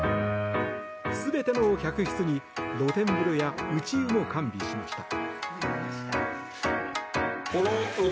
全ての客室に露天風呂や内湯も完備しました。